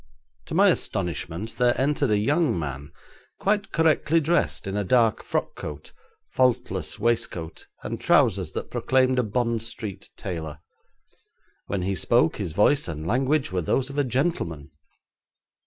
To my astonishment there entered a young man, quite correctly dressed in the dark frock coat, faultless waistcoat and trousers that proclaimed a Bond Street tailor. When he spoke his voice and language were those of a gentleman.